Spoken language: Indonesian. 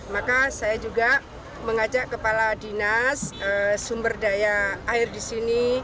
maka saya juga mengajak kepala dinas sumber daya air di sini